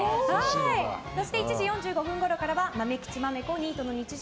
そして１時４５分ごろは「まめきちまめこニートの日常」。